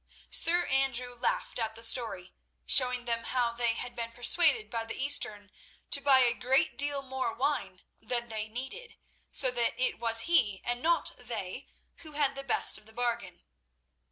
Sir Andrew laughed at the story, showing them how they had been persuaded by the Eastern to buy a great deal more wine than they needed, so that it was he and not they who had the best of the bargain.